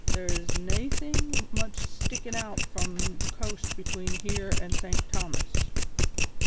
There is naething much stickin' out from the coast between here an' St. Thomas."